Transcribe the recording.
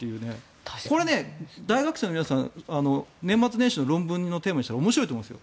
これね、大学生の皆さん年末年始の論文のテーマにしたら面白いと思うんです。